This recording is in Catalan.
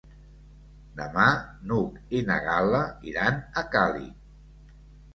Demà n'Hug i na Gal·la iran a Càlig.